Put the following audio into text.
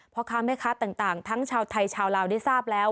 พ่อค้าแม่ค้าต่างทั้งชาวไทยชาวลาวได้ทราบแล้ว